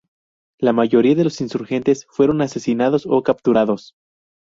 La mayoría de los insurgentes fueron asesinados o capturados.